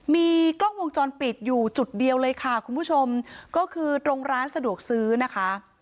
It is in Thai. มีกล้องวงจรปิดอยู่จุดเดียวเลยค่ะคุณผู้ชมก็คือตรงร้านสะดวกซื้อนะคะ